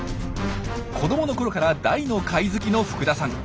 子どものころから大の貝好きの福田さん。